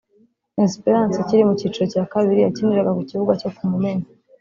Esperance ikiri mu cyiciro cya kabiri yakiniraga ku kibuga cyo ku Mumena